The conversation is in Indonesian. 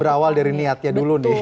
berawal dari niatnya dulu nih